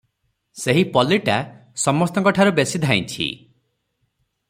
ସେହି ପଲିଟା ସମସ୍ତଙ୍କଠାରୁ ବେଶି ଧାଇଁଛି ।